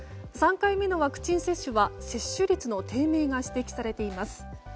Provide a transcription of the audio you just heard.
３回目のワクチン接種は接種率の低迷が指摘されています。